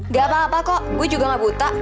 gak apa apa kok gue juga gak buta